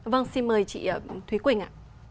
vâng xin mời chị thúy quỳnh ạ